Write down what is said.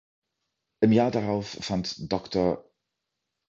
Im Jahr darauf fand „Dr.